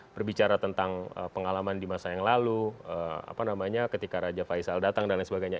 berbicara tentang pengalaman di masa yang lalu apa namanya ketika raja faisal datang dan lain sebagainya